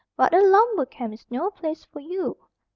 "But a lumber camp is no place for you.